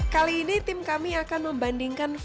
kali ini tim kami akan membandingkan